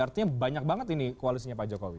artinya banyak banget ini koalisinya pak jokowi